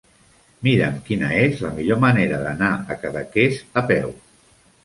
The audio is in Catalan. Mira'm quina és la millor manera d'anar a Cadaqués a peu.